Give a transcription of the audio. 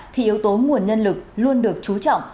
thì yếu tố nguồn nhân lực luôn được trú trọng